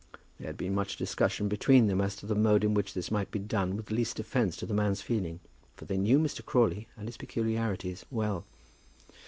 There had been much discussion between them as to the mode in which this might be done with least offence to the man's feelings, for they knew Mr. Crawley and his peculiarities well.